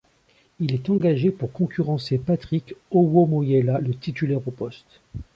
Il est engagé pour concurrencer Patrick Owomoyela, le titulaire au poste.